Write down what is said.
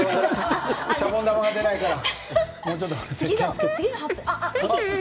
シャボン玉出ないから。